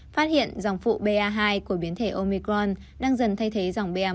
phát hiện dòng phụ ba hai của biến thể omicron đang dần thay thế dòng ba